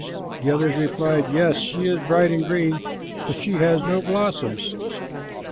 The others replied, "Yes, she is bright and green, but she has no blossoms."